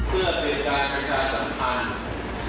เพื่อเป็นการประชาสัมพันธ์